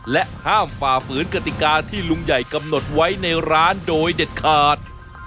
และห้ามฝ่าฝืนกติกาที่ลุงใหญ่กำหนดไว้ในร้านโดยเด็ดขาด